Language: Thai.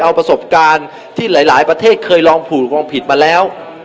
เอาประสบการณ์ที่หลายประเทศเคยลองผูดลองผิดมาแล้ว